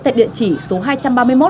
tại địa chỉ số hai trăm ba mươi một